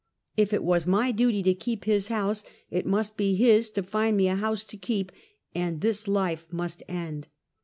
If it was my duty to keep his house, it must be his to find me a house to keep, and this life must end.